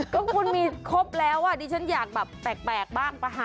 ก็คุณมีครบแล้วดิฉันอยากแบบแปลกบ้างประหาร